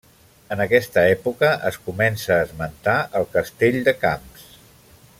En aquesta època es comença a esmentar el castell de Camps.